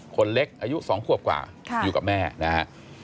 คนเล็กอายุ๒ขวบกว่าอยู่กับแม่นะฮะ